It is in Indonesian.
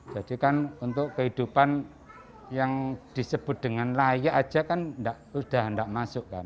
jadi kan untuk kehidupan yang disebut dengan layak aja kan udah nggak masuk kan